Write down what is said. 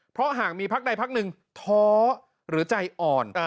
เพราะหากมีพักใดพักหนึ่งท้อหรือใจอ่อน